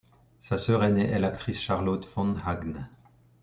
Sa sœur aînée est l'actrice Charlotte von Hagn.